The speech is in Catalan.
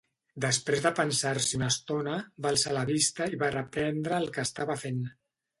Després de pensar-hi una estona, va alçar la vista i va reprendre el que estava fent.